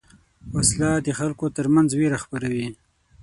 وسله د خلکو تر منځ وېره خپروي